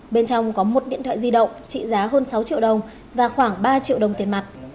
bên trong có một điện thoại di động trị giá hơn sáu triệu đồng và khoảng ba triệu đồng tiền mặt